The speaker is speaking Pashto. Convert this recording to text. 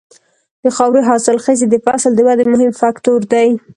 د خاورې حاصلخېزي د فصل د ودې مهم فکتور دی.